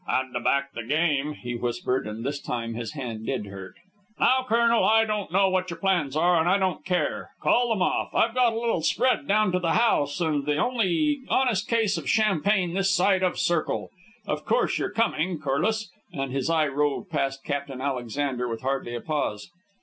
"Had to back the game," he whispered; and this time his hand did hurt. "Now, colonel, I don't know what your plans are, and I don't care. Call them off. I've got a little spread down to the house, and the only honest case of champagne this side of Circle. Of course, you're coming, Corliss, and " His eye roved past Captain Alexander with hardly a pause.